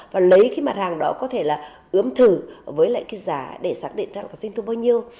và lấy mặt hàng đó có thể ướm thử với giá để xác định sinh thương bao nhiêu